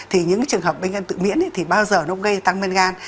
thì những trường hợp bệnh nhân tự miễn thì bao giờ nó cũng gây ra tăng men gan